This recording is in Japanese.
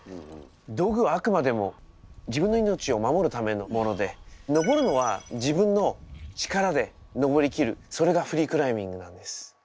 道具はあくまでも自分の命を守るためのもので登るのは自分の力で登りきるそれがフリークライミングなんです。